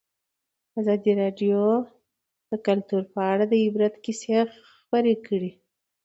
ازادي راډیو د کلتور په اړه د عبرت کیسې خبر کړي.